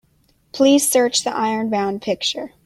Please search the Ironbound picture.